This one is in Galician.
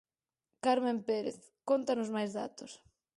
Carmen Pérez, cóntanos máis datos.